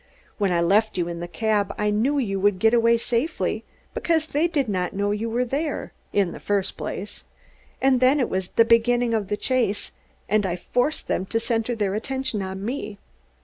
When I left you in the cab I knew you would get away safely, because they did not know you were there, in the first place; and then it was the beginning of the chase and I forced them to center their attention on me.